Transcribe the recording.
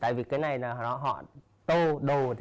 tại vì cái này là họ tô đồ này họ tìm thấy trong nhà của kiều quốc huy